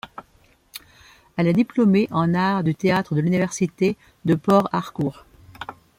Elle est diplômée en arts du théâtre de l'université de Port Harcourt.